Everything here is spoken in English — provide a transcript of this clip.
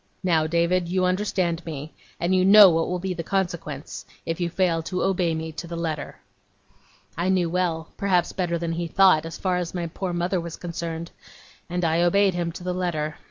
Now, David, you understand me, and you know what will be the consequence if you fail to obey me to the letter.' I knew well better perhaps than he thought, as far as my poor mother was concerned and I obeyed him to the letter.